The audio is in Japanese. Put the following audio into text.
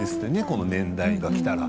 この年代がきたら。